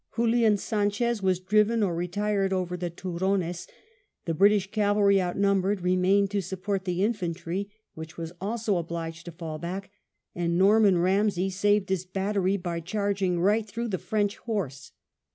Julian Sanchez was driven or retired over the Turones ; the British cavalry, outnumbered, remained to support the infantry, which was also obliged to fall back, and Norman Eamsay saved his battery by charging right through the French horse.